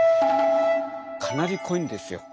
かなり濃いんですよ。